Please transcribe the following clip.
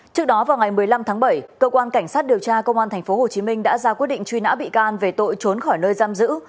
trước đó vào ngày một mươi năm tháng bảy cơ quan cảnh sát điều tra công an tp hcm đã ra quyết định truy nã bị can về tội trốn khỏi nơi giam giữ